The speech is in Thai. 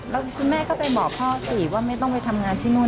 แล้วคุณแม่ก็ไปบอกพ่อสิว่าไม่ต้องไปทำงานที่นู่น